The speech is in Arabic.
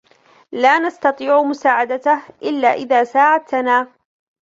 لا نسطيعُ مساعدتَك إلاّ اذا ساعدتنا.